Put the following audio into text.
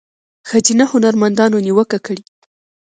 ښځینه هنرمندانو نیوکه کړې